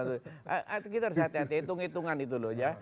suriname itu kita harus hati hati itu ngitungan itu loh ya